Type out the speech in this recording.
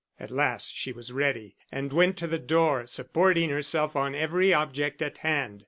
At last she was ready and went to the door, supporting herself on every object at hand.